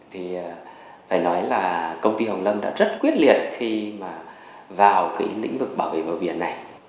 thì phải nói là công ty hồng lâm đã rất quyết liệt khi mà vào cái lĩnh vực bảo vệ bờ biển này